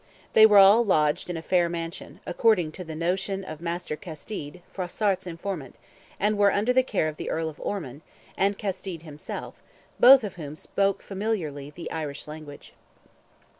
They were all lodged in a fair mansion, according to the notion of Master Castide, Froissart's informant, and were under the care of the Earl of Ormond and Castide himself, both of whom spoke familiarly the Irish language.